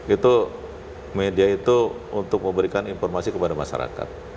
itu media itu untuk memberikan informasi kepada masyarakat